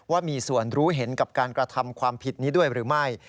ว่ามีส่วนรู้เห็นกับการกระทำความผิดนี้ด้วยหรือไม่